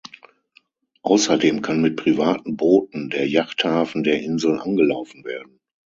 Außerdem kann mit privaten Booten der Jachthafen der Insel angelaufen werden.